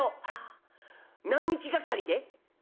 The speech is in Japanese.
あら何日がかりで？」。